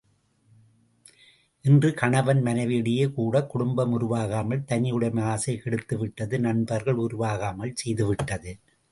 இன்று கணவன் மனைவியிடையே கூடக் குடும்பம் உருவாகாமல் தனி உடைமை ஆசை கெடுத்துவிட்டது நண்பர்கள் உருவாகாமல் செய்து விட்டது.